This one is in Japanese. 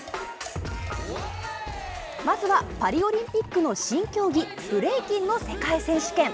まずはパリオリンピックの新競技ブレイキンの世界選手権。